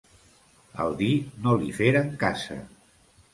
Al dir no li feren casa.